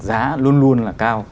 giá luôn luôn là cao